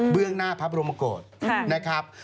เบื้องหน้าพระบรมโกศนะครับ